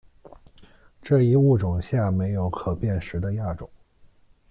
这一物种下没有可辨识的亚种。